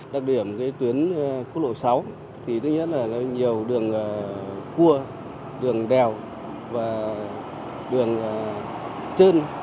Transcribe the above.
đặc điểm tuyến quốc lộ sáu thì tất nhiên là nhiều đường cua đường đèo và đường trơn